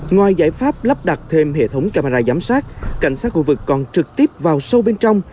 ngoài giải pháp lắp đặt thêm hệ thống camera giám sát cảnh sát khu vực còn trực tiếp vào sâu bên trong